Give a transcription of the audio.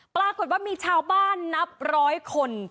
ปรากฏว่ามีชาวบ้านนับร้อยคน